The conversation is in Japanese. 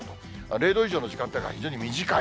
０度以上の時間帯が非常に短い。